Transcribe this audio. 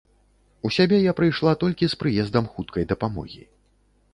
У сябе я прыйшла толькі з прыездам хуткай дапамогі.